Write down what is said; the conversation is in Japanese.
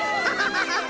ハハハハッ！